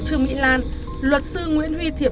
trương mỹ lan luật sư nguyễn huy thiệp